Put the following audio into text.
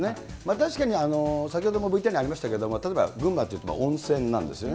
確かに先ほどもＶＴＲにありましたけれども、例えば群馬っていうと温泉なんですよね。